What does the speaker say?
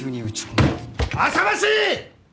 あさましい！